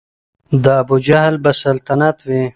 د ابوجهل به سلطنت وي